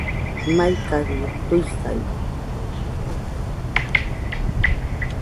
Maikajɨ tuisai